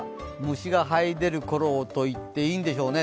虫がはい出る時期と言っていいんでしょうね。